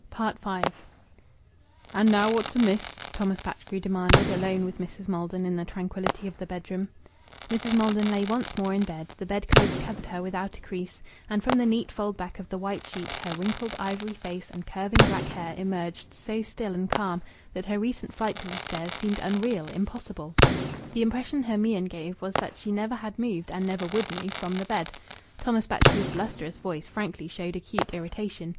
V "And now what's amiss?" Thomas Batchgrew demanded, alone with Mrs. Maldon in the tranquillity of the bedroom. Mrs. Maldon lay once more in bed; the bedclothes covered her without a crease, and from the neat fold back of the white sheet her wrinkled ivory face and curving black hair emerged so still and calm that her recent flight to the stairs seemed unreal, impossible. The impression her mien gave was that she never had moved and never would move from the bed. Thomas Batchgrew's blusterous voice frankly showed acute irritation.